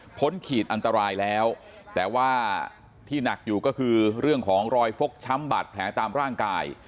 ขีดอันตรายแล้วแต่ว่าที่หนักอยู่ก็คือเรื่องของรอยฟกช้ำบาดแผลตามร่างกาย